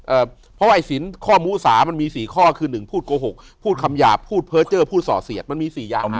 เพราะว่าไอ้สินข้อมู้สามันมีสี่ข้อคือหนึ่งพูดโกหกพูดคำหยาบพูดเพอร์เจอร์พูดส่อเสียดมันมีสี่อย่าง